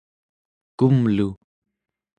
kumlu